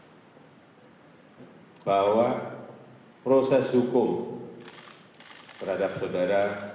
jokowi menuntut bahwa proses hukum terhadap saudara